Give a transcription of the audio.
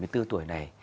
bảy mươi bốn tuổi này